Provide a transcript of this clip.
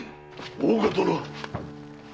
大岡殿！